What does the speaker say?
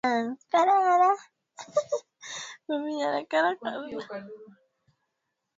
maji yaliingia kwenye meli kwa kasi sana